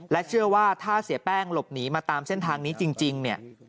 เชื่อว่าถ้าเสียแป้งหลบหนีมาตามเส้นทางนี้จริงเนี่ย